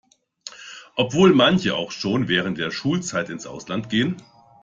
Obwohl manche auch schon während der Schulzeit ins Ausland gehen.